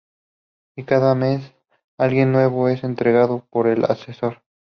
Y que cada mes alguien nuevo es entregado por el ascensor.